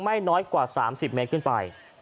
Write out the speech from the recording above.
ไม่น้อยกว่า๓๐เมตรขึ้นไป